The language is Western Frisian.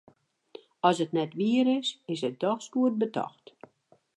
As it net wier is, is it dochs goed betocht.